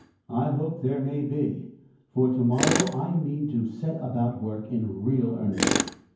I hope there may; for to morrow Imean to set about work in real earnest.